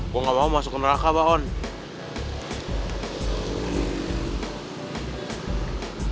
gue gak mau masuk ke neraka bahon